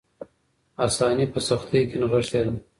آساني په سختۍ کې نغښتې ده.